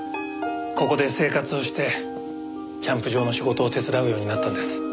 ここで生活をしてキャンプ場の仕事を手伝うようになったんです。